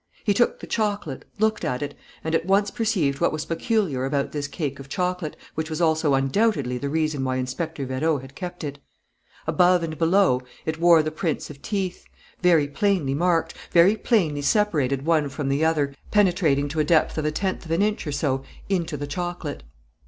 He took the chocolate, looked at it, and at once perceived what was peculiar about this cake of chocolate, which was also undoubtedly the reason why Inspector Vérot had kept it. Above and below, it bore the prints of teeth, very plainly marked, very plainly separated one from the other, penetrating to a depth of a tenth of an inch or so into the chocolate.